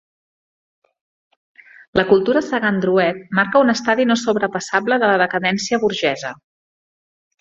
La cultura Sagan-Drouet marca un estadi no sobrepassable de la decadència burgesa.